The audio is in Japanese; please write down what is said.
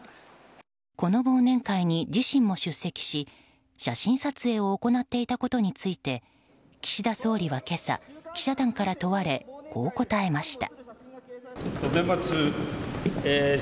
この忘年会に自身も出席し写真撮影を行っていたことについて岸田総理は今朝記者団から問われこう答えました。